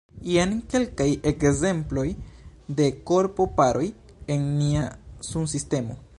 Jen kelkaj ekzemploj de korpo-paroj en nia sunsistemo.